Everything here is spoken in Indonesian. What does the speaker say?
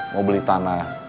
mau beli tanah